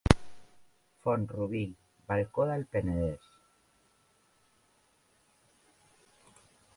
Font-rubí, balcó del Penedès.